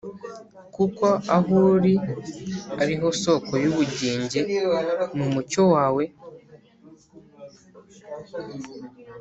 Kuko aho uri ari ho isoko y’ubugingi, mu mucyo wawe